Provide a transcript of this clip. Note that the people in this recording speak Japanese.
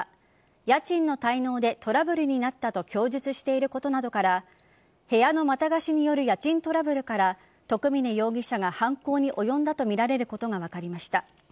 家賃の滞納でトラブルになったと供述していることなどから部屋のまた貸しによる家賃トラブルから徳嶺容疑者が犯行に及んだとみられることが分かりました。